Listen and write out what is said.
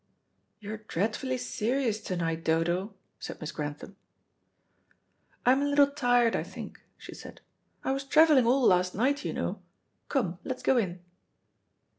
"You're dreadfully serious to night, Dodo," said Miss Grantham. "I'm a little tired, I think," she said. "I was travelling all last night, you know. Come, let's go in."